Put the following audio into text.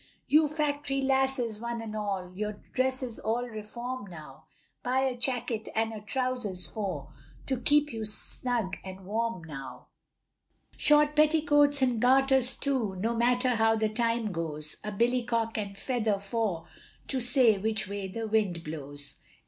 You factory lasses, one and all, Your dresses all reform now, Buy a jacket and a trousers for To keep you snug and warm now; Short petticoats and garters too, No matter how the time goes, A billycock and feather for To see which way the wind blows.